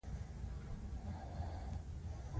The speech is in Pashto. دا يو نفسياتي علاج هم دے